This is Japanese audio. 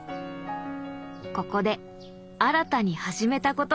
ここで新たに始めたことがあるんだ。